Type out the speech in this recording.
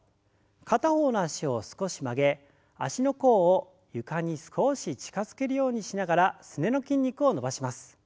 片方の脚を少し曲げ足の甲を床に少し近づけるようにしながらすねの筋肉を伸ばします。